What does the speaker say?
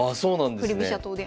振り飛車党で。